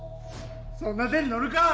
そんな手に乗るか！